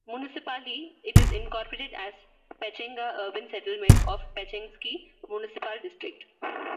Municipally, it is incorporated as Pechenga Urban Settlement of Pechengsky Municipal District.